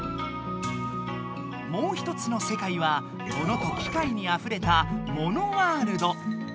もう一つの世界はモノと機械にあふれた「モノワールド」。